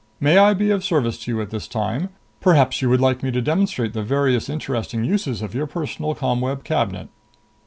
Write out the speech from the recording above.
May I be of service to you at this time? Perhaps you would like me to demonstrate the various interesting uses of your personal ComWeb Cabinet?"